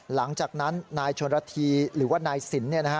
หลังจากนั้นนายชนระธีหรือว่านายสิน